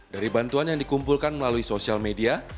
dari bantuan yang dikumpulkan melalui sosial media